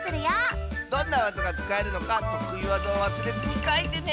どんなわざがつかえるのかとくいわざをわすれずにかいてね！